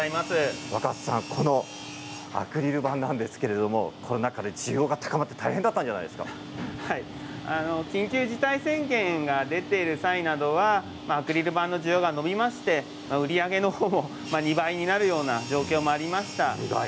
このアクリル板なんですけれどコロナ禍で需要が高まって緊急事態宣言が出ている際などはアクリル板の需要が伸びまして売り上げのほうも２倍になるような状況もありました。